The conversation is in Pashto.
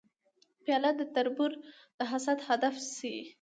پیاله د تربور د حسد هدف شي.